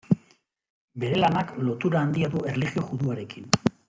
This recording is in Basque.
Bere lanak lotura handia du erlijio juduarekin.